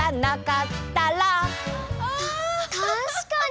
たしかに！